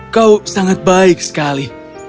kau sangat baik sekali